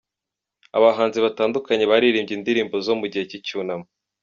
Abahanzi batandukanye baririmbye indirimbo zo mu gihe cy'icyunamo .